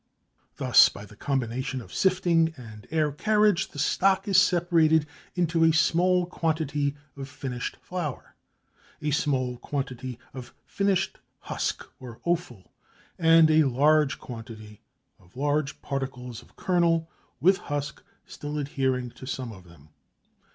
Thus by the combination of sifting and air carriage the stock is separated into a small quantity of finished flour, a small quantity of finished husk or offal, and a large quantity of large particles of kernel with husk still adhering to some of them.